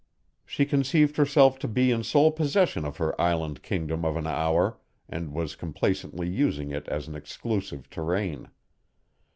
She conceived herself to be in sole possession of her island kingdom of an hour and was complacently using it as an exclusive terrain.